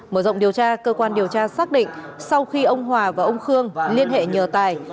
mở rộng điều tra cơ quan điều tra xác định sau khi ông hòa và ông khương liên hệ nhờ tài